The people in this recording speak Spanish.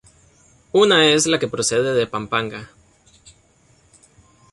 Una es que procede de Pampanga.